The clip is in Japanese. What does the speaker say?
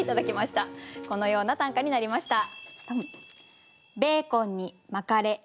このような短歌になりました。